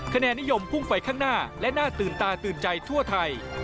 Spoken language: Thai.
คะแนนนิยมพุ่งไปข้างหน้าและน่าตื่นตาตื่นใจทั่วไทย